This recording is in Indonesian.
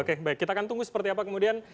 oke baik kita akan tunggu seperti apa kemudian